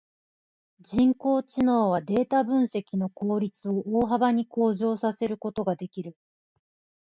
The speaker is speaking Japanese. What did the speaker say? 人工知能はデータ分析の効率を大幅に向上させることができる。